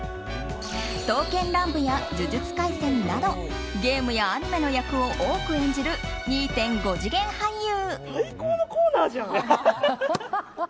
「刀剣乱舞」や「呪術廻戦」などゲームやアニメの役を多く演じる２．５次元俳優。